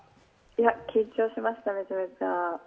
緊張しました、めちゃめちゃ。